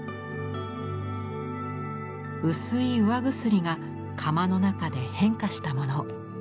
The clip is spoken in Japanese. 薄い釉薬が窯の中で変化したもの。